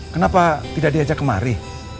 kenapa tidak diajak kemari